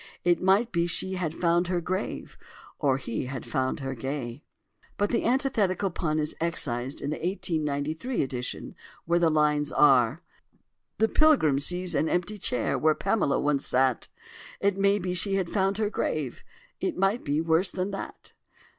It might be she had found her grave Or he had found her gay"; but the antithetical pun is excised in the 1893 edition, where the lines are: "The pilgrim sees an empty chair Where Pamela once sat: It may be she had found her grave, It might be worse than that."